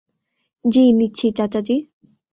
জি নিচ্ছি, চাচাজি।